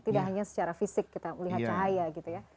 tidak hanya secara fisik kita melihat cahaya gitu ya